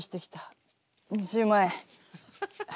２０万円。